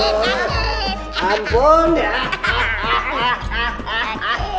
sebelah sini garisny landscapes